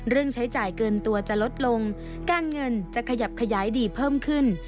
ใช้จ่ายเกินตัวจะลดลงการเงินจะขยับขยายดีเพิ่มขึ้น